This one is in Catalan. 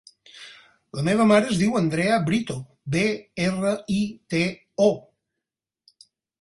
La meva mare es diu Andrea Brito: be, erra, i, te, o.